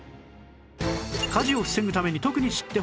火事を防ぐために特に知ってほしい